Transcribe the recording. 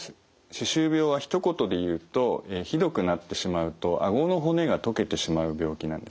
歯周病はひと言で言うとひどくなってしまうとあごの骨が溶けてしまう病気なんですね。